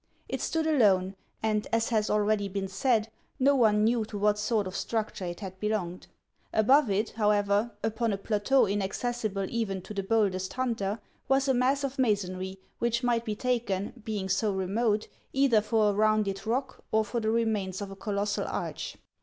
It stood alone, and, as has already been said, no one knew to what sort of struc ture it had belonged. Above it, however, upon a plateau inaccessible even to the boldest hunter, was a mass of masonry which might be taken, being so remote, either for a rounded rock or for the remains of a colossal arch.